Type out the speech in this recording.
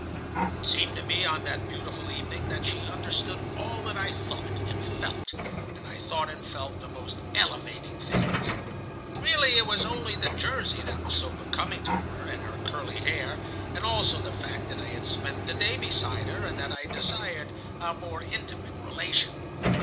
It seemed to me on that beautiful evening that she understood all that I thought and felt, and I thought and felt the most elevating things. "Really, it was only the jersey that was so becoming to her, and her curly hair, and also the fact that I had spent the day beside her, and that I desired a more intimate relation.